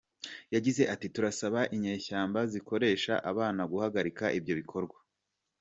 Yagize ati "Turasaba inyeshyamba zikoresha abana guhagarika ibyo bikorwa.